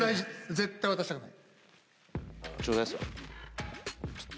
絶対渡したくない。